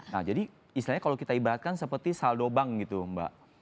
nah jadi istilahnya kalau kita ibaratkan seperti saldo bank gitu mbak